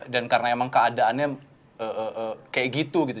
dan karena emang keadaannya kayak gitu gitu